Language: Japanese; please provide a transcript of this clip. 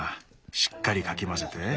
しっかりかき混ぜて。